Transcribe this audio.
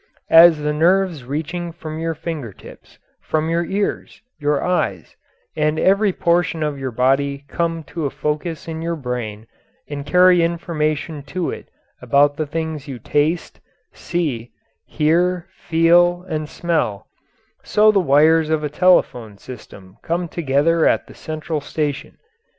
As the nerves reaching from your finger tips, from your ears, your eyes, and every portion of your body come to a focus in your brain and carry information to it about the things you taste, see, hear, feel, and smell, so the wires of a telephone system come together at the central station.